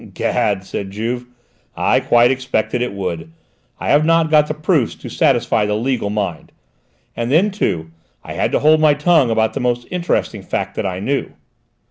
"'Gad!" said Juve, "I quite expected it would! I have not got the proofs to satisfy the legal mind; and then, too, I had to hold my tongue about the most interesting fact that I knew."